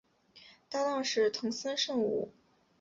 搭挡是藤森慎吾。